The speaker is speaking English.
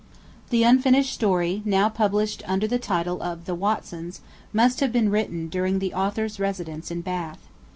The unfinished story, now published under the title of 'The Watsons,' must have been written during the author's residence in Bath.